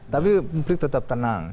tapi publik tetap tenang